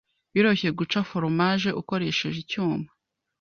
Biroroshye guca foromaje ukoresheje icyuma.